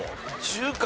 中華